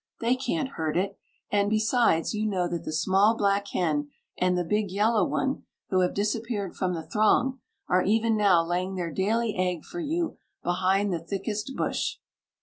They can't hurt it; and, besides, you know that the small black hen and the big yellow one, who have disappeared from the throng, are even now laying their daily egg for you behind the thickest bush.